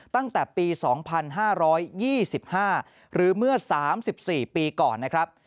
ตั้งแต่ปี๒๕๒๕หรือเมื่อ๓๔ปีก่อนนะครับ